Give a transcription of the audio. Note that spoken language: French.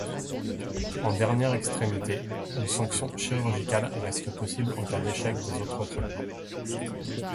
En dernière extrémité, une sanction chirurgicale reste possible en cas d'échec des autres traitements.